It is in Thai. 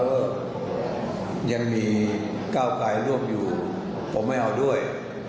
เอกยังมีเก้าไขร่วมอยู่ผมไม่เอาด้วย